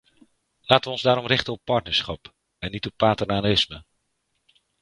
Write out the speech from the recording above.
Laten we ons daarom richten op partnerschap en niet op paternalisme.